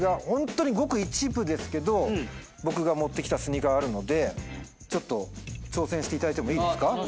ホントにごく一部ですけど僕が持ってきたスニーカーあるのでちょっと挑戦していただいてもいいですか？